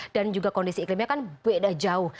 dan juga kondisi iklimnya kan beda jauh